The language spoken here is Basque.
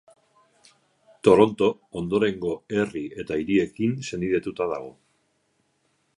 Toronto ondorengo herri eta hiriekin senidetuta dago.